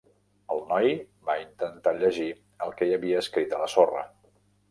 El noi va intentar llegir el que hi havia escrit a la sorra.